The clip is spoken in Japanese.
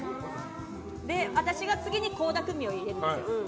私が次に倖田來未を入れるんですよ。